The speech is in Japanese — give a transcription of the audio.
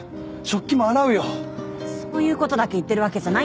そういうことだけ言ってるわけじゃない。